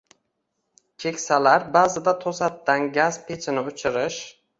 Keksalar ba’zida to‘satdan gaz pechini o‘chirish